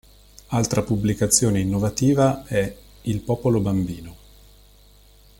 Altra pubblicazione innovativa è "Il popolo bambino.